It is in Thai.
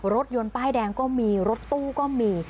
รถยนต์ป้ายแดงก็มีรถตู้ก็มี